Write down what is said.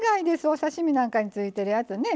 お刺身なんかについてるやつね。